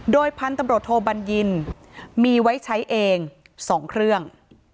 โดยพันธุ์ตำรวจโทบัญญินมีไว้ใช้เอง๒เครื่อง